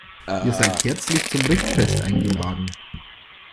Ihr seid herzlich zum Richtfest eingeladen.